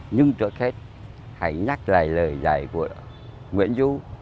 nhưng trước hết hãy nhắc lại lời dạy của nguyễn du